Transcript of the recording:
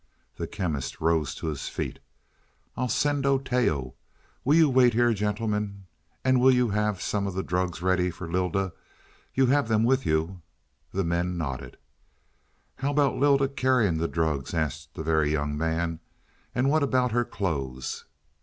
The Chemist rose to his feet. "I'll send Oteo. Will you wait here gentlemen? And will you have some of the drugs ready for Lylda? You have them with you?" The men nodded. "How about Lylda carrying the drugs?" asked the Very Young Man. "And what about her clothes?"